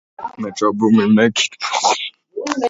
Divas apelsīnu sulas.